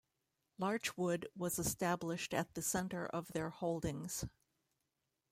Larchwood was established at the center of their holdings.